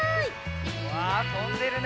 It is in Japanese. うわっとんでるね。